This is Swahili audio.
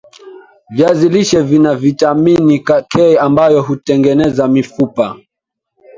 viazi lishe Vina vitamini K ambayo hutengeneza mifupa